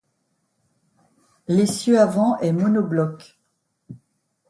L'essieu avant est monobloc.